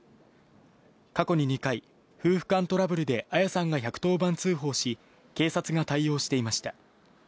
過去に２回、夫婦間トラブルで彩さんが１１０番通報し、警察が対応していました。